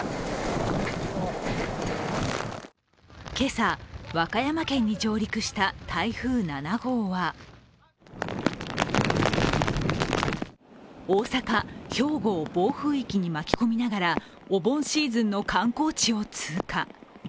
今朝、和歌山県に上陸した台風７号は大阪・兵庫を暴風域に巻き込みながらお盆シーズンの観光地を通過。